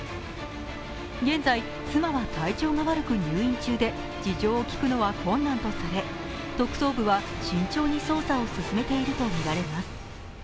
現在、妻は体調が悪く入院中で事情を聴くのは困難とされ特捜部は慎重に捜査を進めているとみられます。